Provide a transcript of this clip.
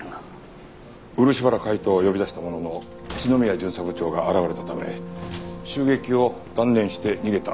漆原海斗を呼び出したものの篠宮巡査部長が現れたため襲撃を断念して逃げた。